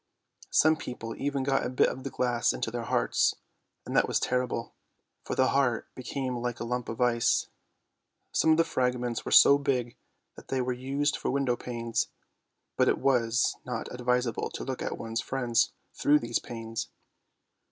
Some people even got a bit of the glass into their hearts, and that was terrible, for the heart became like a lump of ice. Some of the fragments were so big that they were used for window panes, but it was not advisable to look at one's friends through these panes.